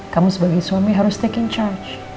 kamu sebagai suami harus tak in charge